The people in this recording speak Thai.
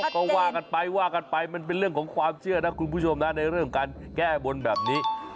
ก็ว่ากันไปว่ากันไปมันเป็นเรื่องของความเชื่อนะคุณผู้ชมนะในเรื่องการแก้บนแบบนี้